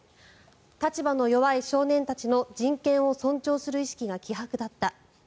立場の弱い少年たちの人権を尊重する意識が希薄だった。